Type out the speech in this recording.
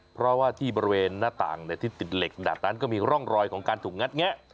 เพราะว่าที่บริเวณหน้าต่างที่ติดเหล็กดัดนั้นก็มีร่องรอยของการถูกงัดแงะ